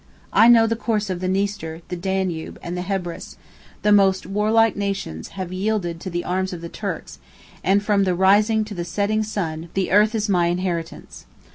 I know the course of the Niester, the Danube, and the Hebrus; the most warlike nations have yielded to the arms of the Turks; and from the rising to the setting sun, the earth is my inheritance."